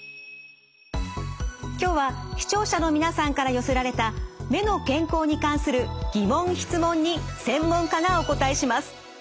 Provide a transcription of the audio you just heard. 今日は視聴者の皆さんから寄せられた目の健康に関する疑問質問に専門家がお答えします。